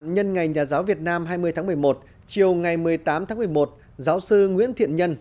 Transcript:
nhân ngày nhà giáo việt nam hai mươi tháng một mươi một chiều ngày một mươi tám tháng một mươi một giáo sư nguyễn thiện nhân